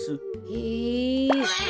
へえ。